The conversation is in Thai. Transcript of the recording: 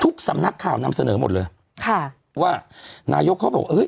สำนักข่าวนำเสนอหมดเลยค่ะว่านายกเขาบอกเอ้ย